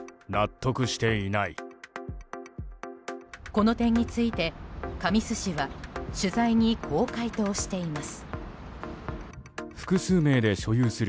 この点について神栖市は取材にこう回答しています。